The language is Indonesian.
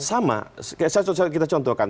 sama kita contohkan